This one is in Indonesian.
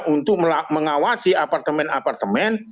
untuk mengawasi apartemen apartemen